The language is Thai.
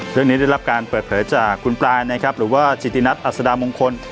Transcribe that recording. ได้รับการเปิดเผยจากคุณปลายนะครับหรือว่าจิตินัทอัศดามงคล